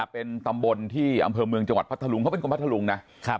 เป็นตำบลที่อำเภอเมืองจังหวัดพัทธลุงเขาเป็นคนพัทธลุงนะ